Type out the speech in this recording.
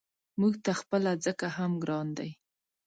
موږ ته خپله ځکه هم ګران دی.